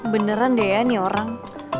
beneran deh ya ini orang